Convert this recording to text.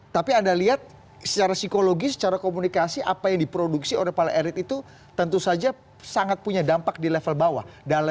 tapi anda lihat secara psikologi secara komunikasi apa yang diproduksi oleh para erit itu tentu saja sangat punya dampak di level bawah